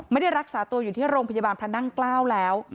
ไม่ได้รักษาตัวอยู่ที่โรงพยาบาลพระนั่งเกล้าแล้ว